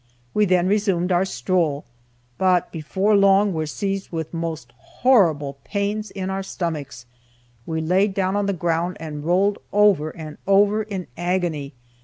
We then resumed our stroll, but before long were seized with most horrible pains in our stomachs. We laid down on the ground and rolled over and over in agony.